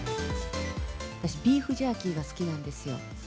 私、ビーフジャーキーが好きなんですよ。